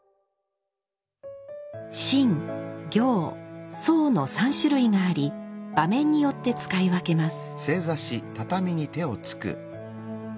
「真」「行」「草」の３種類があり場面によって使い分けます。